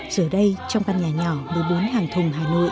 giờ đây trong căn nhà nhỏ một mươi bốn tháng